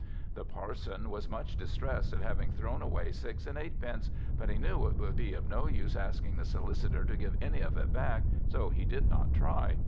The Parson was much distressed at having thrown away six and eightpence; but he knew it would be of no use asking the Solicitor to give any of it back, so he did not try.